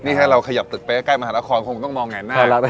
นี่ถ้าเราขยับตึกไปใกล้มหานครคงต้องมองแง่หน้าแล้ว